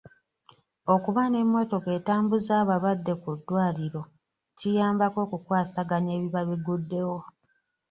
Okuba n'emmotoka etambuza abalwadde ku ddwaliro kiyambako okukwasaganya ebiba biguddewo.